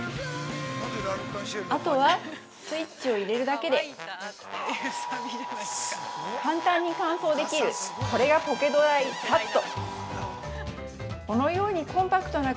◆あとはスイッチを入れるだけで簡単に乾燥できるこれが「ぽけどらいさっと」